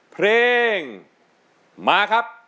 เพลงมาครับ